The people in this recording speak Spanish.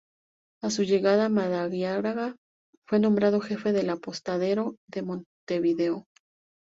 A su llegada Madariaga fue nombrado jefe del Apostadero de Montevideo.